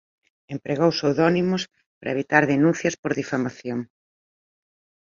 Empregou pseudónimos para evitar denuncias por difamación.